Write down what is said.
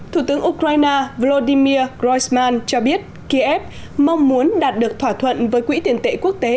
thủ tướng ukraine volodymir proyzman cho biết kiev mong muốn đạt được thỏa thuận với quỹ tiền tệ quốc tế